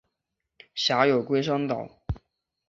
辖有龟山岛。